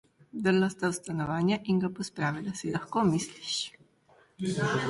Vdrla sta v stanovanje in ga pospravila. Si lahko misliš?